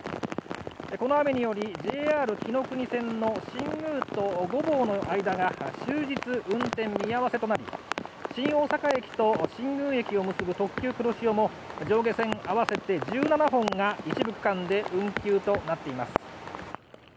この雨によりＪＲきのくに線の新宮と御坊駅の間が終日運転見合わせとなり新大阪駅と新宮駅を結ぶ特急くろしおも上下線合わせて１７本が一部区間で運休となっています。